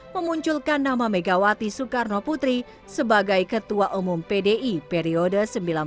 memunculkan nama megawati soekarno putri sebagai ketua umum pdi periode seribu sembilan ratus sembilan puluh tiga seribu sembilan ratus sembilan puluh delapan